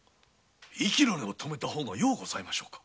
息の根をとめた方がようございましょうか？